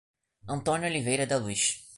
Antônio Oliveira da Luz